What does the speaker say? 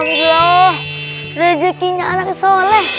amin allah rezekinya anak soleh